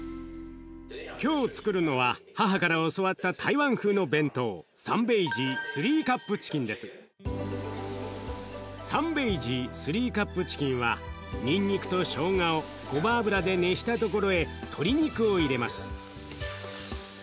今日つくるのは母から教わった台湾風の弁当三杯鶏３カップチキンはニンニクとしょうがをごま油で熱したところへ鶏肉を入れます。